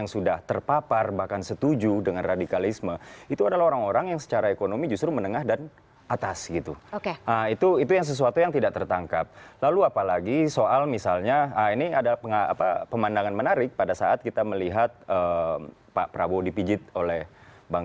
sebetulnya kalau bertanya tentang komitmen